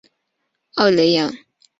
奥雷扬。